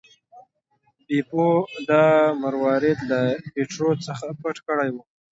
بیپو دا مروارید له پیټرو څخه پټ کړی و.